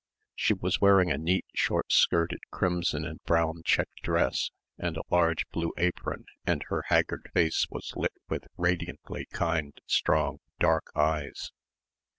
She was wearing a neat short skirted crimson and brown check dress and a large blue apron and her haggard face was lit with radiantly kind strong dark eyes.